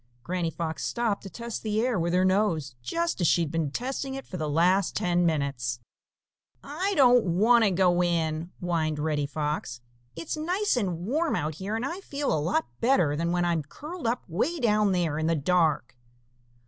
Granny Fox stopped to test the air with her nose, just as she had been testing it for the last ten minutes. "I don't want to go in," whined Reddy Fox. "It's nice and warm out here, and I feel a lot better than when I am curled up way down there in the dark."